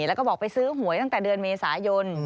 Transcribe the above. แล้วก็บอกไปซื้อหวยตั้งแต่เดือนเมษายน